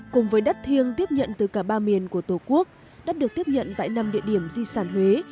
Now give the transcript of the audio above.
cùng với đất thiêng tiếp nhận từ cả ba miền của tổ quốc đất được tiếp nhận tại năm địa điểm di sản huế